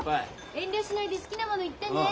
遠慮しないで好きなもの言ってね。